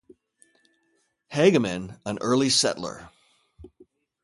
Hageman, an early settler.